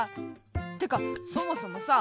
てかそもそもさ